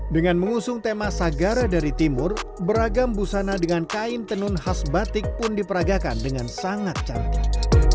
dengan mengusung tema sagara dari timur beragam busana dengan kain tenun khas batik pun diperagakan dengan sangat cantik